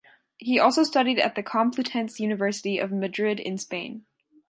He also studied at the Complutense University of Madrid in Spain.